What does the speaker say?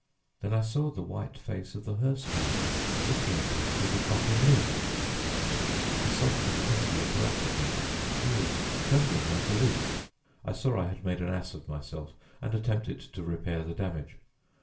Then I saw the white face of the hearse driver looking at me through the coffin lid " A sob from Tessie interrupted me. She was trembling like a leaf. I saw I had made an ass of myself and attempted to repair the damage.